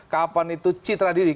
kapan itu citra diri